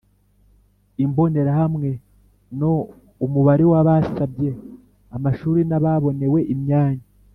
Imbonerahamwe no umubare w abasabye amashuri n ababonewe imyanya